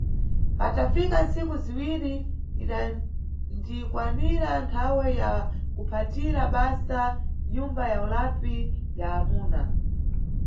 Patafika ntsiku ziwiri idandikwanira nthawe ya kuphatira basa mnyumba ya ulapi ya amuna.